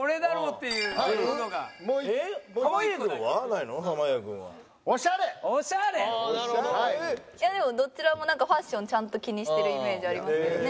いやでもどちらもなんかファッションちゃんと気にしてるイメージありますけどね。